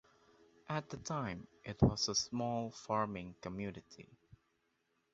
At the time it was a small farming community.